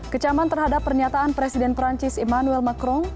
kecaman terhadap pernyataan presiden perancis emmanuel macron